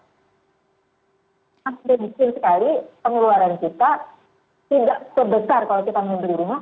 kalau kita membeli rumah